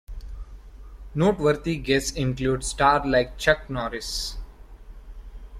Noteworthy guests include stars like, Chuck Norris.